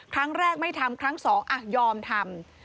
ครั้งแรกไม่ทำครั้งสองอ่ะยอมทำ